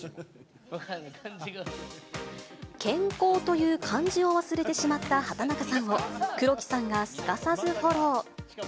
健康という漢字を忘れてしまった畠中さんを黒木さんがすかさずフォロー。